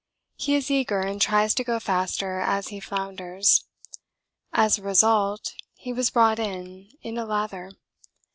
He is eager and tries to go faster as he flounders. As a result he was brought in, in a lather.